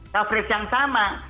coverage yang sama